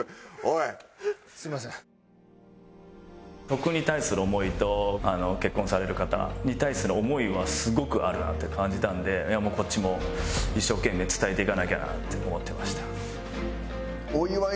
曲に対する思いと結婚される方に対する思いはすごくあるなって感じたのでこっちも一生懸命伝えていかなきゃなって思ってました。